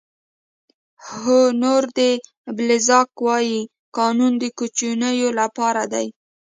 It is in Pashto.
هونور ډي بلزاک وایي قانون د کوچنیو لپاره دی.